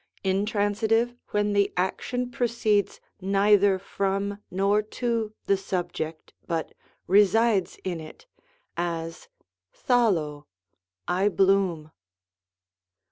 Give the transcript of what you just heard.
Intransitive, when the action proceeds neither from nor to the subject, but resides in it, as, d^aXXcoy " I bloom.''